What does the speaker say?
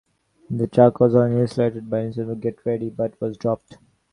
The track was originally slated for inclusion on "Get Ready", but was dropped.